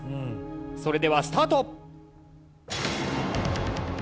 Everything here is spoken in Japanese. それではスタート！